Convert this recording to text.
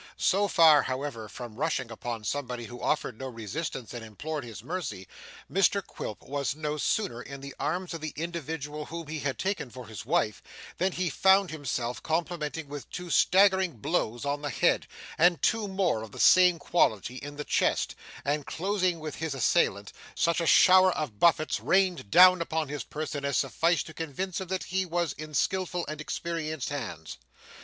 So far, however, from rushing upon somebody who offered no resistance and implored his mercy, Mr Quilp was no sooner in the arms of the individual whom he had taken for his wife than he found himself complimented with two staggering blows on the head, and two more, of the same quality, in the chest; and closing with his assailant, such a shower of buffets rained down upon his person as sufficed to convince him that he was in skilful and experienced hands.